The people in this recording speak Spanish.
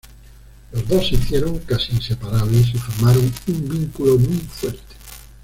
Los dos se hicieron casi inseparables y formaron un vínculo muy fuerte.